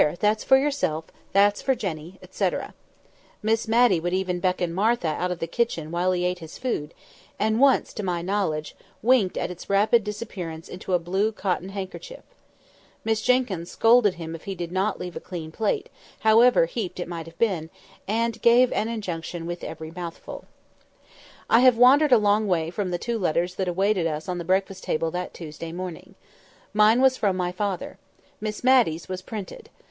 that's for yourself; that's for Jenny," etc. Miss Matty would even beckon Martha out of the kitchen while he ate his food: and once, to my knowledge, winked at its rapid disappearance into a blue cotton pocket handkerchief. Miss Jenkyns almost scolded him if he did not leave a clean plate, however heaped it might have been, and gave an injunction with every mouthful. [Picture: Standing over him like a bold dragoon] I have wandered a long way from the two letters that awaited us on the breakfast table that Tuesday morning. Mine was from my father. Miss Matty's was printed.